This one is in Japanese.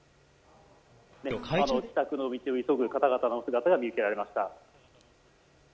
帰宅の道を急ぐ方の姿が見受けられました。